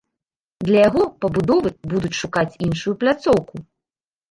Для яго пабудовы будуць шукаць іншую пляцоўку.